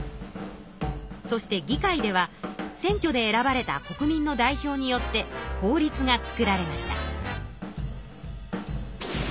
そして議会では選挙で選ばれた国民の代表によって法律が作られました。